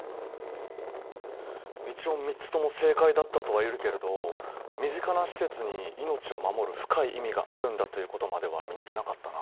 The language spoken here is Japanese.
一応３つとも正解だったとは言えるけれど身近な施設に命を守る深い意味があるんだということまでは見抜けなかったな。